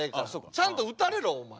ちゃんと撃たれろお前。